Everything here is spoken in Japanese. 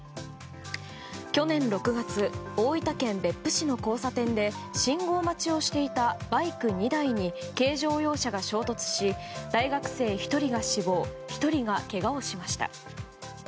去年６月大分県別府市の交差点で信号待ちをしていたバイク２台に軽乗用車が衝突し大学生１人が死亡１人がけがをしました。